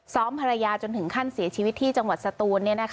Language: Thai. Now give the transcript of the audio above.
ภรรยาจนถึงขั้นเสียชีวิตที่จังหวัดสตูน